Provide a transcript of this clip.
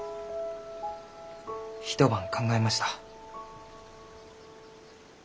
一晩考えました。